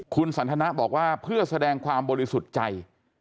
คุณสันทนะบอกว่าเพื่อแสดงความบริสุทธิ์ใจ